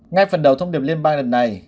ngay phần đầu thông điệp liên bang lần này